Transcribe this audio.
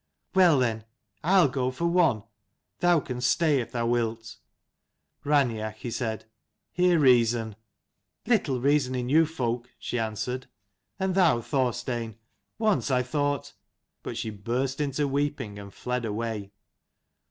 "Well then, I'll go for one. Thou canst stay if thou wilt." " Raineach," he said, " hear reason." " Little reason in you folk," she answered. "And thou, Thorstein, once I thought ." But she burst into weeping, and fled away.